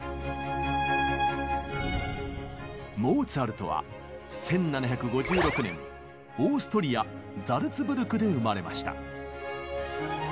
モーツァルトは１７５６年オーストリアザルツブルクで生まれました。